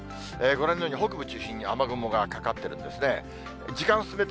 ご覧のように、北部中心に雨雲がかかってるんですね。